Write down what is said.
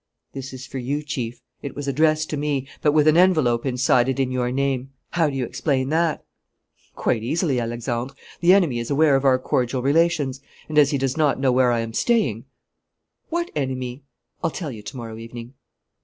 "This is for you, Chief. It was addressed to me, but with an envelope inside it in your name. How do you explain that?" "Quite easily, Alexandre. The enemy is aware of our cordial relations; and, as he does not know where I am staying " "What enemy?" "I'll tell you to morrow evening."